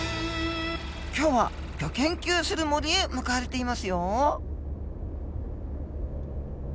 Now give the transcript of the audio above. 今日はギョ研究する森へ向かわれていますよ。